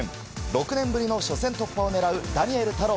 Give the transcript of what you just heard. ６年ぶりの初戦突破を狙うダニエル太郎。